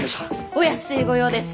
お安い御用です